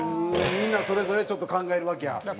みんなそれぞれちょっと考えるわけや。